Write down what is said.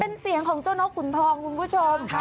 เป็นเสียงของเจ้านกขุนทองคุณผู้ชม